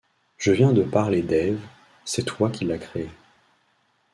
Je viens de parler d’Ève, c’est toi qui l’a créée.